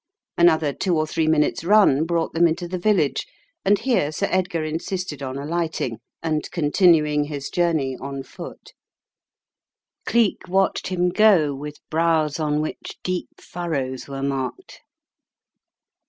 Another two or three minutes' run brought them into the village, and here Sir Edgar insisted on alighting, and continuing his journey on foot. Cleek watched him go with brows on which deep furrows were marked.